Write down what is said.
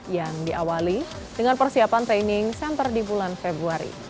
yang diawali dengan persiapan training center di bulan februari